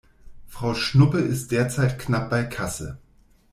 Frau Schnuppe ist derzeit knapp bei Kasse.